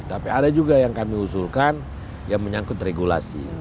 tapi ada juga yang kami usulkan yang menyangkut regulasi